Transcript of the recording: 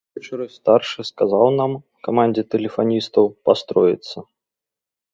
Увечары старшы сказаў нам, камандзе тэлефаністаў, пастроіцца.